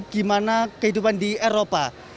gimana kehidupan di eropa